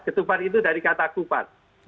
ketupat itu dari kata kupat